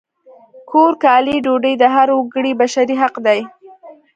کور، کالي، ډوډۍ د هر وګړي بشري حق دی!